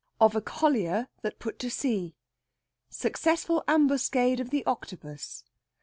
OF A COLLIER THAT PUT TO SEA. SUCCESSFUL AMBUSCADE OF THE OCTOPUS.